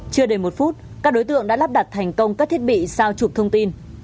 chưa đầy một phút các đối tượng đã lắp đặt thành công các thiết bị sao chụp thông tin